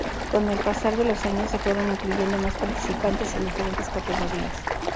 Con el pasar de los años se fueron incluyendo más participantes en diferentes categorías.